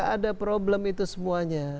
ada problem itu semuanya